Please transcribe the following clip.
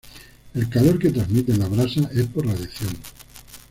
El calor que transmiten las brasas es por radiación.